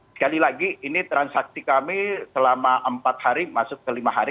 sekali lagi ini transaksi kami selama empat hari masuk ke lima hari